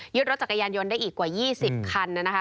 รถจักรยานยนต์ได้อีกกว่า๒๐คันนะคะ